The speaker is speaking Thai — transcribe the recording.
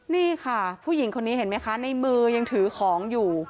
นี่ค่ะผู้หญิงคนนี้เห็นไหมคะในมือยังถือของอยู่